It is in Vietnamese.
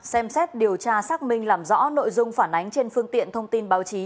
xem xét điều tra xác minh làm rõ nội dung phản ánh trên phương tiện thông tin báo chí